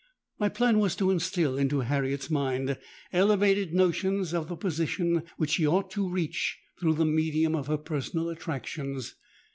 "My plan was to instil into Harriet's mind elevated notions of the position which she ought to reach through the medium of her personal attractions.